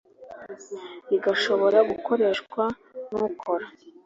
rigashobora gukoreshwa n ukora